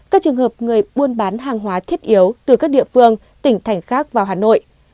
các trường hợp người buôn bán hàng hóa thiết yếu từ các địa phương tỉnh thành khác vào hà nội